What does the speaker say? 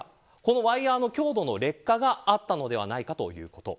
ワイヤの強度の劣化があったのではないかということ。